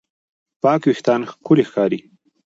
پاک وېښتيان ښکلي ښکاري.